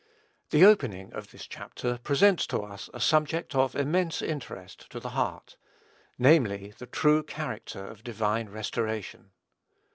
The opening of this chapter presents to us a subject of immense interest to the heart, namely, the true character of divine restoration.